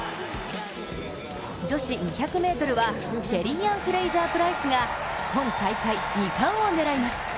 女子２００ｍは、シェリーアン・フレイザー・プライスが今大会、２冠を狙います。